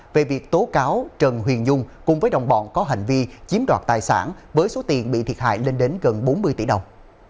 về việc tố cáo trần huyền dung cùng với đồng bọn có hành vi chiếm đoạt tài sản với số tiền bị thiệt hại lên đến gần bốn mươi tỷ đồng